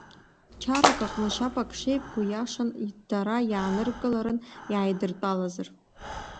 Чарак аҟны шьаԥак шеибгоу, иашан, дара иааныркыларын, иааидыртәалазар.